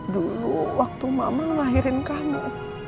dulu waktu mama ngelahirin kamu